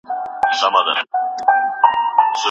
موضوعګانې باید تکراري نه وي.